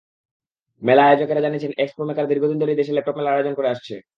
মেলা আয়োজকেরা জানিয়েছেন, expo maker দীর্ঘদিন ধরেই দেশে ল্যাপটপ মেলার আয়োজন করে আসছে।